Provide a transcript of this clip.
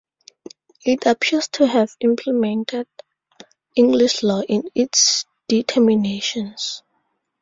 It appears to have implemented English law in its determinations.